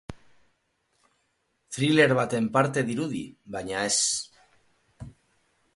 Thriller baten parte dirudi baina ez!